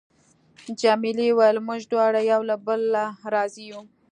جميلې وويل: موږ دواړه یو له بله راضي یو.